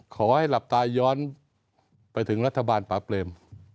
ขอให้หลับตาย้อนไปถึงรัฐบาลป่าเปรม